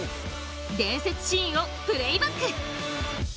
伝説シーンをプレイバック！